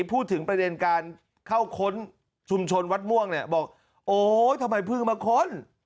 พูดถึงประเด็นการเข้าค้นชุมชนวัดม่วงเนี่ยบอกโอ๊ยทำไมเพิ่งมาค้น